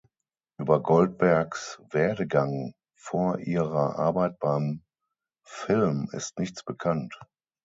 Über Goldbergs Werdegang vor ihrer Arbeit beim Film ist nichts bekannt.